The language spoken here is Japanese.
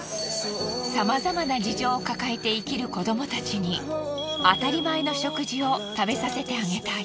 様々な事情を抱えて生きる子どもたちにあたりまえの食事を食べさせてあげたい。